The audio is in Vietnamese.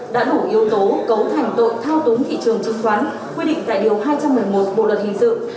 đã đủ yếu tố cấu thành tội thao túng thị trường chứng khoán quy định tại điều hai trăm một mươi một bộ luật hình sự